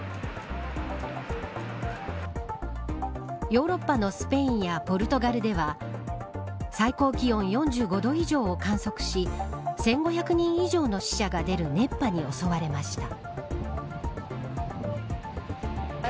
ヨーロッパのスペインやポルトガルでは最高気温４５度以上を観測し１５００人以上の死者が出る熱波に襲われました。